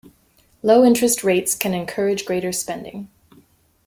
Low-interest rates can encourage greater spending.